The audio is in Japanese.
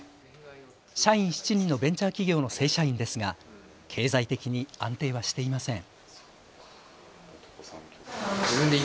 社員７人のベンチャー企業の正社員ですが経済的に安定はしていません。